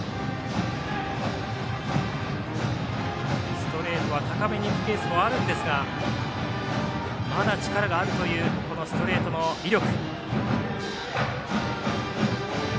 ストレートは高めにいくケースもあるんですがまだ力があるというストレートの威力。